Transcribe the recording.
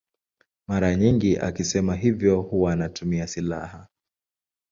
Mara nyingi akisema hivyo huwa anatumia silaha.